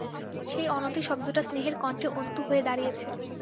সেই অনতি শব্দটা স্নেহের কণ্ঠে অন্তু হয়ে দাঁড়িয়েছে।